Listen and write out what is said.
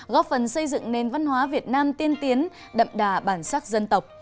góp phần xây dựng nền văn hóa việt nam tiên tiến đậm đà bản sắc dân tộc